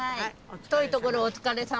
遠いところお疲れさま。